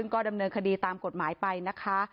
ก็ดำเนินคดีตามกฎหมายไปนะคะ